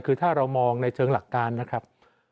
คือถ้าเรามองในเชิงหลักการนะครับ